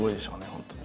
本当に。